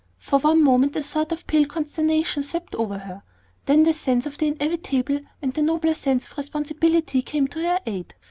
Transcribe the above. For one moment a sort of pale consternation swept over her. Then the sense of the inevitable and the nobler sense of responsibility came to her aid.